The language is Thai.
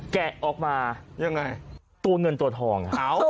แกะออกมาตัวเงินตัวทอง